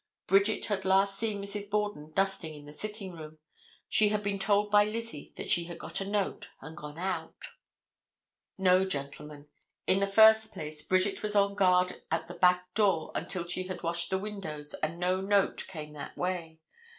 Bridget had last seen Mrs. Borden dusting in the sitting room. She had been told by Lizzie that she had got a note and gone out. No, gentlemen. In the first place, Bridget was on guard at that back door until she had washed the windows, and no note came that way.